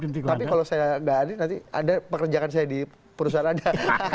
tapi kalau saya gak ada nanti ada pekerjakan saya di perusahaan anda